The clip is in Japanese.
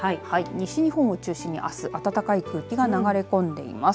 西日本を中心にあす暖かい空気が流れ込んでいます。